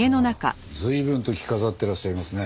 随分と着飾ってらっしゃいますね。